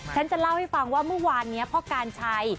ฉันจะเล่าให้ฟังว่าเมื่อวานนี้พ่อการชัย